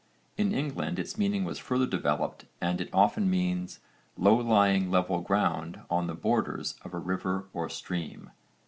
In England its meaning was further developed and it often means 'low lying level ground on the borders of a river or stream.'